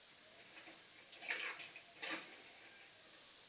Ve druhém patře se nacházel byt majitele doplněný střešní terasou.